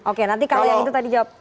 oke nanti kalau yang itu tadi jawab